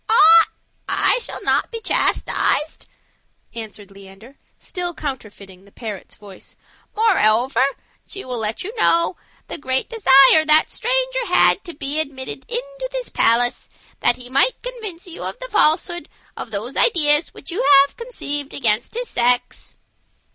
"I shall not be chastised," answered Leander, still counterfeiting the parrot's voice; "moreover, she will let you know the great desire that stranger had to be admitted into this palace, that he might convince you of the falsehood of those ideas which you have conceived against his sex."